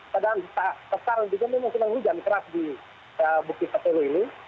padahal saat sekarang ini memang hujan keras di bukit petelu ini